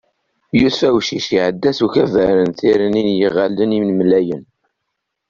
Yusef Awcic iɛedda s ukabar n Tirni n Yiɣallen Inemlayen.